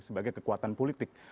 sebagai kekuatan politik